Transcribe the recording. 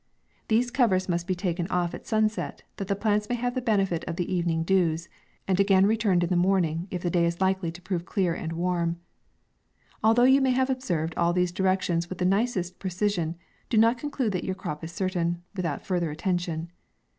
These covers must be taken offat sunset, that the plants may have the benefit of the even ing dews, and again returned in the morning, if the day is likely to prove clear and warm. Although you may have observed all these directions with the nicest precision, do not conclude that your crop is certain, without further attention.